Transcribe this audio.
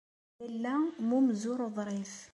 Lalla mm umzur uḍrif.